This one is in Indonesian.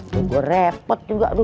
tuh gue repot juga pasar deh